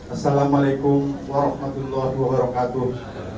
assalamualaikum warahmatullahi wabarakatuh